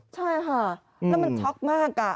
ใช่ค่ะแล้วมันช็อกมาก